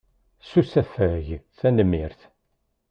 S usafag, tanemmirt.